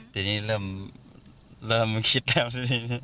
ทีนี้เริ่มคิดแค่ว่าอย่างนี้